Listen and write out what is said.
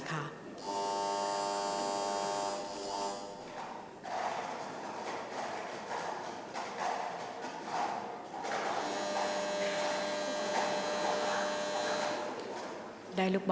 ออกรางวัลเลขหน้า๓